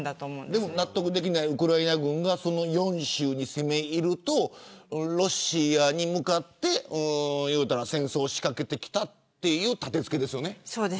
でも納得できないウクライナ軍が４州に攻め入るとロシアに向かって戦争を仕掛けてきたという立て付けですよね。